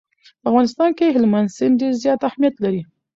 په افغانستان کې هلمند سیند ډېر زیات اهمیت لري.